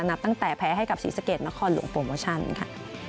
นับตั้งแต่แพ้ให้กับศรีสะเกดนครหลวงโปรโมชั่นค่ะ